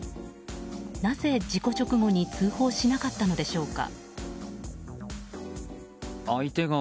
なぜ事故直後に通報しなかったのでしょうか？